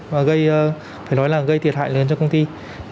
và phải nói là gây thiệt hại lớn cho công ty